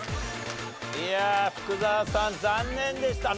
いやあ福澤さん残念でしたね。